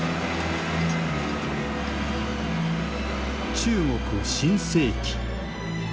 中国新世紀。